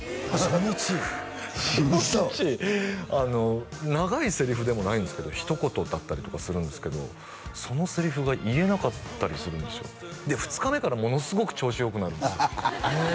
初日長いセリフでもないんですけど一言だったりとかするんですけどそのセリフが言えなかったりするんですよで２日目からものすごく調子よくなるんですよへえ